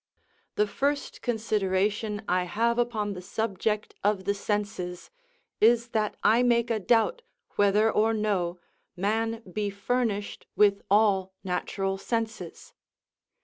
The first consideration I have upon the subject of the senses is that I make a doubt whether or no man be furnished with all natural senses.